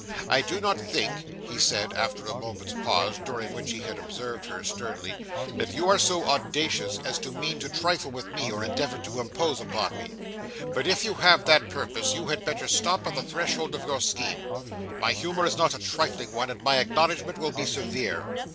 I do not think," he said, after a moment's pause, during which he had observed her, sternly, "that you are so audacious as to mean to trifle with me, or endeavour to impose upon me. But if you have that purpose, you had better stop on the threshold of your scheme. My humour is not a trifling one, and my acknowledgment will be severe."